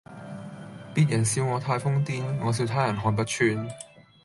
別人笑我太瘋癲，我笑他人看不穿